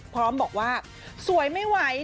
พร้อมบอกว่าสวยไม่ไหว